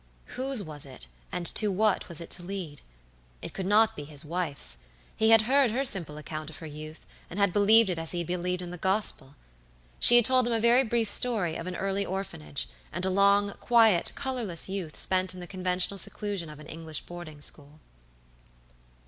Whose was it, and to what was it to lead? It could not be his wife's; he had heard her simple account of her youth, and had believed it as he had believed in the Gospel. She had told him a very brief story of an early orphanage, and a long, quiet, colorless youth spent in the conventional seclusion of an English boarding school.